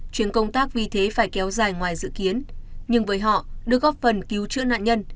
chuyến công tác vì thế phải kéo dài ngoài dự kiến nhưng với họ được góp phần cứu chữa nạn nhân